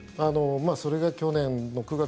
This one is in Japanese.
それが去年の９月。